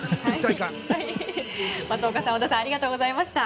松岡さん、織田さんありがとうございました。